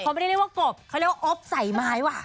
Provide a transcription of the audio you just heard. เขาไม่ได้เรียกว่ากบเขาเรียกว่าอบใส่ไม้ว่ะ